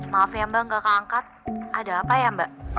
maaf ya mbak gak keangkat ada apa ya mbak